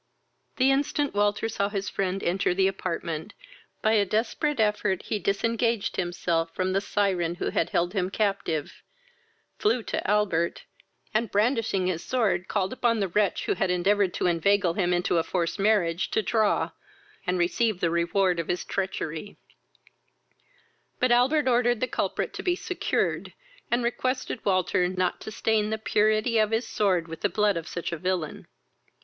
The instant Walter saw his friend enter the apartment, by a desperate effort he disengaged himself from the syren who had held him captive, flew to Albert, and brandishing his sword, called upon the wretch who had endeavoured to inveigle him into a forced marriage to draw, and receive the reward of his treachery; but Albert ordered the culprit to be secured, and requested Walter not to stain the purity of his sword with the blood of such a villain.